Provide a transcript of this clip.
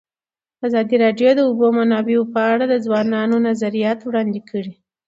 ازادي راډیو د د اوبو منابع په اړه د ځوانانو نظریات وړاندې کړي.